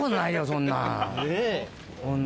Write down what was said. そんなん。